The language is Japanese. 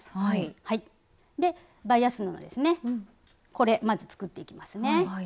これまず作っていきますね。